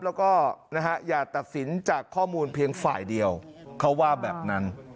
แล้วก็อย่าตัดสินจากข้อมูลเพียงฝ่ายเดียวเขาว่าแบบนั้น